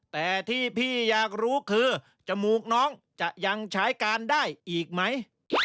แต่ที่พี่อยากรู้คือจมูกน้องจะยังใช้การได้อีกไหม